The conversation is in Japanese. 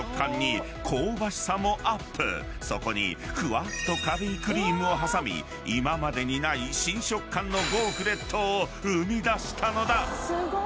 ［そこにふわっと軽いクリームを挟み今までにない新食感のゴーフレットを生み出したのだ］